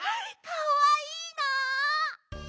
かわいいな！